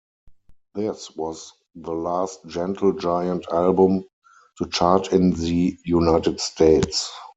This was the last Gentle Giant album to chart in the United States.